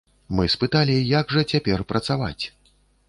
Мы спыталі, як жа цяпер працаваць?